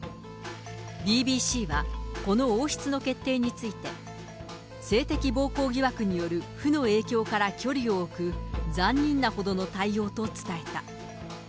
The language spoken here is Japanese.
ＢＢＣはこの王室の決定について、性的暴行疑惑による負の影響から距離を置く残忍なほどの対応と伝えた。